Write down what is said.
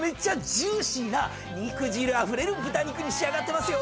ジューシーな肉汁あふれる豚肉に仕上がってますよ。